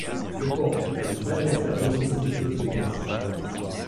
Le porc fut l’un des adversaires d’Horus et d’Osiris.